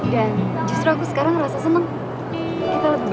dan justru aku sekarang ngerasa seneng